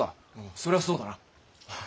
そりゃあそうだな。